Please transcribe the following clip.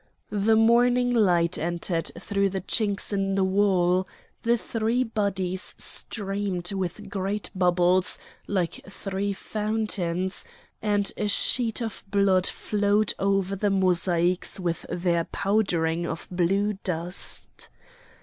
The morning light entered through the chinks in the wall; the three bodies streamed with great bubbles like three fountains, and a sheet of blood flowed over the mosaics with their powdering of blue dust.